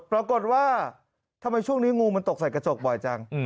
ปรากฏว่าทำไมช่วงนี้งูมันตกใส่กระจกบ่อยจัง